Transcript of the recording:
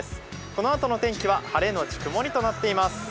このあとの天気は晴れ後曇りとなっています。